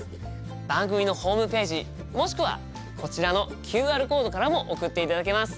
番組のホームページもしくはこちらのＱＲコードからも送っていただけます。